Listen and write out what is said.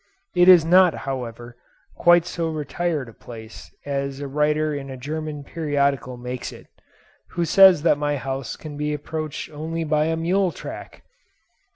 It is not, however, quite so retired a place as a writer in a German periodical makes it, who says that my house can be approached only by a mule track!